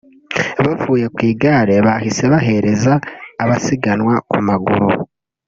Bavuye ku igare bahise bahereza abasiganwa ku maguru